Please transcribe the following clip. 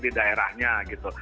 di daerahnya gitu